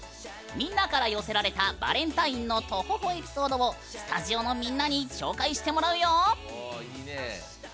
みんなから寄せられたバレンタインのトホホエピソードをスタジオのみんなに紹介してもらうよ！